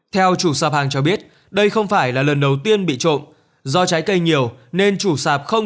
theo chủ sạp hàng cho biết đây không phải là lần đầu tiên bị trộm do trái cây nhiều nên chủ sạp không